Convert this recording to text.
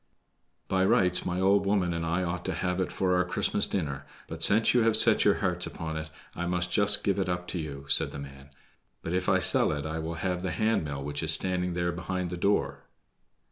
"By rights my old woman and I ought to have it for our Christmas dinner, but since you have set your hearts upon it I must just give it up to you," said the man. "But if I sell it I will have the hand mill which is standing there behind the door."